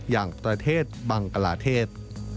อย่างประเทศบังกลาเทศ